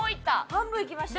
半分いきましたよ。